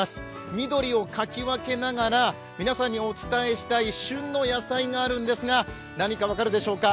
緑をかき分けながら皆さんにお伝えしたい旬の野菜があるんですが何か分かるでしょうか？